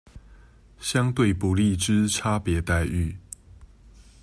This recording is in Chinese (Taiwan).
相對不利之差別待遇